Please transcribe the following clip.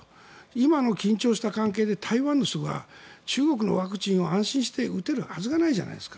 今の緊張した関係で台湾の人が中国のワクチンを安心して打てるはずがないじゃないですか。